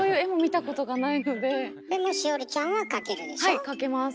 はい描けます。